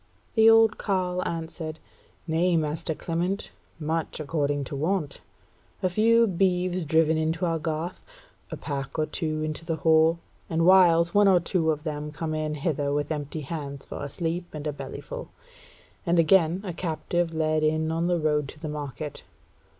The old carle answered: "Nay, master Clement, much according to wont: a few beeves driven into our garth; a pack or two brought into the hall; and whiles one or two of them come in hither with empty hands for a sleep and a bellyful; and again a captive led in on the road to the market.